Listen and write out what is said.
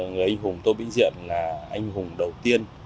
người anh hùng tô vĩnh diện là anh hùng đầu tiên